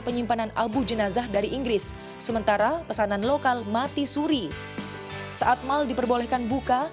penyimpanan abu jenazah dari inggris sementara pesanan lokal mati suri saat mal diperbolehkan buka